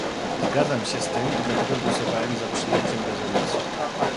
Zgadzam się z tym i dlatego głosowałem za przyjęciem rezolucji